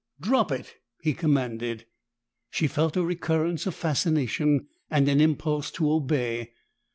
"Drop it!" he commanded. She felt a recurrence of fascination, and an impulse to obey.